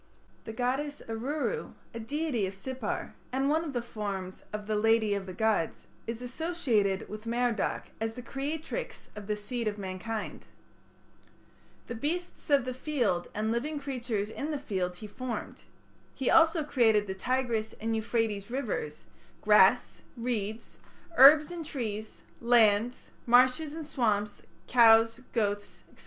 The goddess Aruru, a deity of Sippar, and one of the forms of "the lady of the gods ", is associated with Merodach as the creatrix of the seed of mankind. "The beasts of the field and living creatures in the field he formed." He also created the Tigris and Euphrates rivers, grass, reeds, herbs and trees, lands, marshes and swamps, cows, goats, &c.